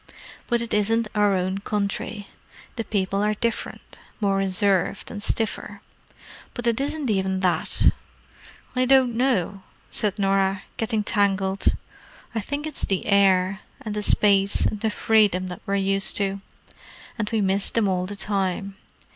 But it isn't our own country. The people are different—more reserved, and stiffer. But it isn't even that. I don't know," said Norah, getting tangled—"I think it's the air, and the space, and the freedom that we're used to, and we miss them all the time.